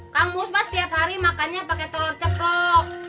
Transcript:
kang musma setiap hari makannya pake telur ceplok